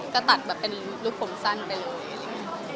ก็ตัดเป็นรูปผมสั้นไปเลย